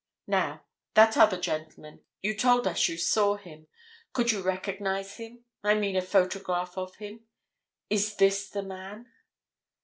Now, that other gentleman! You told us you saw him. Could you recognize him—I mean, a photograph of him? Is this the man?"